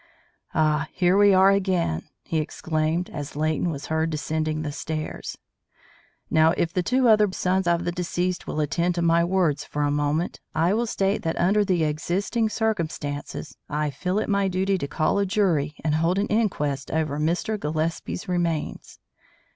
"Ah, here we are again," he exclaimed, as Leighton was heard descending the stairs. "Now, if the two other sons of the deceased will attend to my words for a moment I will state that under the existing circumstances I feel it my duty to call a jury and hold an inquest over Mr. Gillespie's remains.